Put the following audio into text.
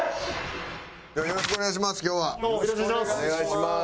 よろしくお願いします